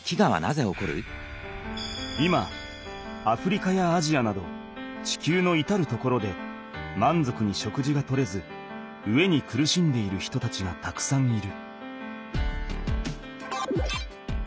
今アフリカやアジアなど地球のいたる所でまんぞくに食事が取れず飢えに苦しんでいる人たちがたくさんいる。